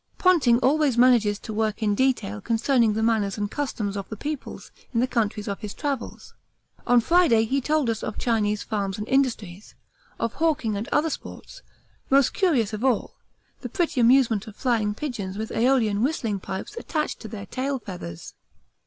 Ponting always manages to work in detail concerning the manners and customs of the peoples in the countries of his travels; on Friday he told us of Chinese farms and industries, of hawking and other sports, most curious of all, of the pretty amusement of flying pigeons with aeolian whistling pipes attached to their tail feathers.